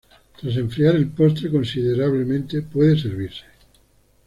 Tras enfriar el postre considerablemente, puede servirse.